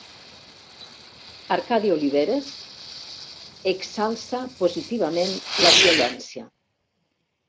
Arcadi Oliveres exalça positivament la violència